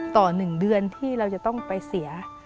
๑เดือนที่เราจะต้องไปเสีย